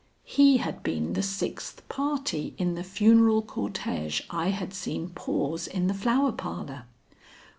He had been the sixth party in the funeral cortège I had seen pause in the Flower Parlor.